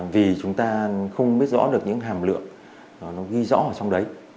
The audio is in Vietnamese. vì chúng ta không biết rõ được những hàm lượng nó ghi rõ ở trong đấy